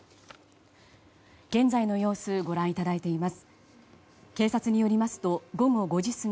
現在の様子ご覧いただいています。